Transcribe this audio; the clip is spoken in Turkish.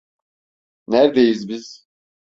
Nerdeyiz biz?